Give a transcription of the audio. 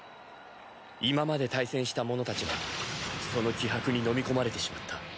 今まで対戦した者たちはその気迫に飲み込まれてしまった。